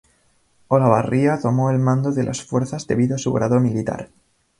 Olavarría tomó el mando de las fuerzas debido a su grado militar.